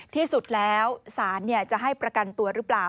ที่สุดแล้วสารจะให้ประกันตัวหรือเปล่า